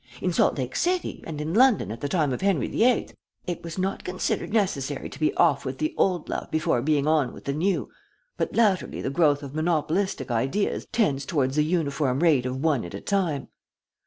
In Salt Lake City, and in London at the time of Henry the Eighth, it was not considered necessary to be off with the old love before being on with the new, but latterly the growth of monopolistic ideas tends towards the uniform rate of one at a time.'